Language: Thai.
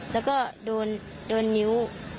แล้วก็โดนนิ้ว